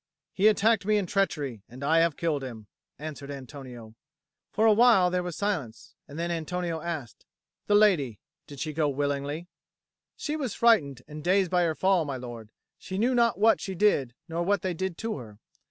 "He attacked me in treachery, and I have killed him," answered Antonio. For a while there was silence. Then Antonio asked, "The lady did she go willingly?" "She was frightened and dazed by her fall, my lord; she knew not what she did nor what they did to her.